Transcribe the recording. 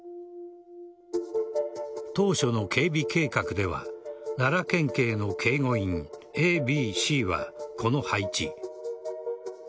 当初の警備計画では奈良県警の警護員Ａ、Ｂ、Ｃはこの配置。